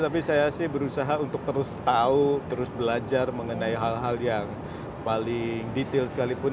tapi saya sih berusaha untuk terus tahu terus belajar mengenai hal hal yang paling detail sekalipun